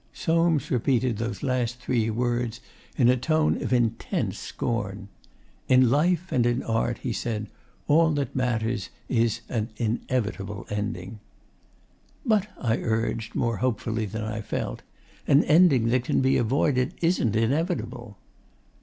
Soames repeated those last three words in a tone of intense scorn. 'In Life and in Art,' he said, 'all that matters is an INEVITABLE ending.' 'But,' I urged, more hopefully than I felt, 'an ending that can be avoided ISN'T inevitable.